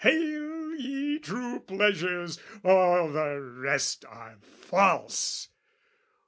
Hail, ye true pleasures, all the rest are false!